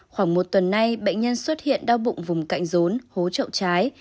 khoảng một tuần nay bệnh nhân xuất hiện đau bụng vùng cạnh rốn hố trậu trái